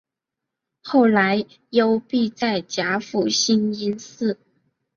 后来幽闭在甲府兴因寺。